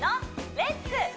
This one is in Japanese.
「レッツ！